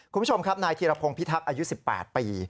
คุณผู้ชมครับนายธีรพงศ์พิทักษ์อายุ๑๘ปี